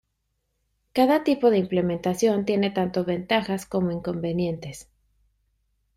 Cada tipo de implementación tiene tanto ventajas como inconvenientes.